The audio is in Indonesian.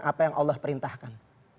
apa yang allah perintahkan